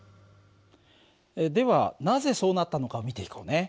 ではなぜそうなったのかを見ていこうね。